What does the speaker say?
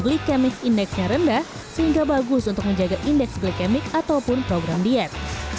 indeks black kemix indeksnya rendah sehingga bagus untuk menjaga indeks black kemix ataupun program diet